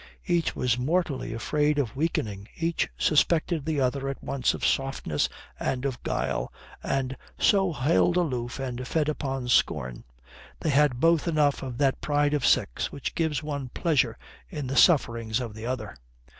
Each was mortally afraid of weakening, each suspected the other at once of softness and of guile and so held aloof and fed upon scorn. They had both enough of that pride of sex which gives one pleasure in the sufferings of the other.